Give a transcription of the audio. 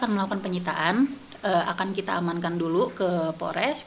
melakukan penyitaan akan kita amankan dulu ke pores